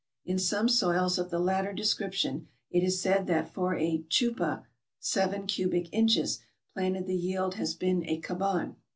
In some soils of the latter de scription, it is said that for a chupa (seven cubic inches) planted the yield has been a caban.